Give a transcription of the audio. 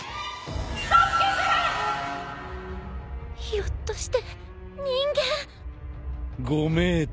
ひょっとして人間？ご名答。